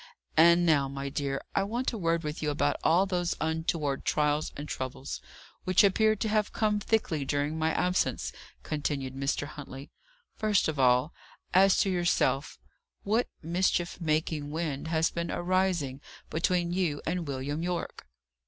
"And now, my dear, I want a word with you about all those untoward trials and troubles, which appear to have come thickly during my absence," continued Mr. Huntley. "First of all, as to yourself. What mischief making wind has been arising between you and William Yorke?"